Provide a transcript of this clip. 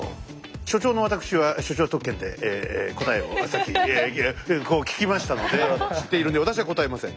所長のわたくしは所長特権で答えをさっきこう聞きましたので知っているんで私は答えません。